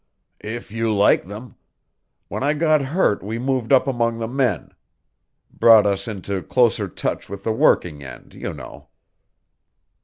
"If you like them. When I got hurt we moved up among the men. Brought us into closer touch with the working end, you know."